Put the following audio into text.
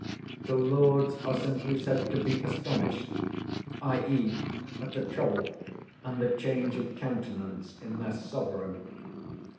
The lords are simply said to be astonished; i.e. at the trouble and the change of countenance in their sovereign.